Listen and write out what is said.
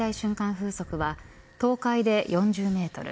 風速は東海で４０メートル